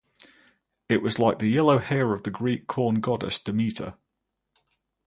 It was like the yellow hair of the Greek corn goddess Demeter.